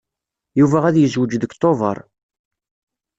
Yuba ad yezweǧ deg Tubeṛ.